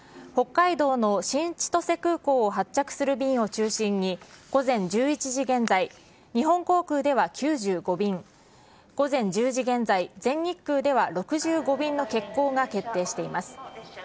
北海道の新千歳空港を発着する便を中心に、午前１１時現在、日本航空では９５便、午前１０時現在、全日空では６５便の欠航が決定しています。